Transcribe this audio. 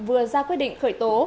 vừa ra quyết định khởi tố